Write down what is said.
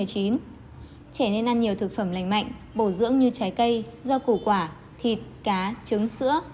trẻ nên ăn nhiều thực phẩm lành mạnh bổ dưỡng như trái cây rau củ quả thịt cá trứng sữa